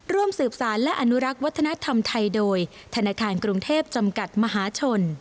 ร่วมสืบสารและอนุรักษ์วัฒนธรรมไทยโดยธนาคารกรุงเทพจำกัดมหาชน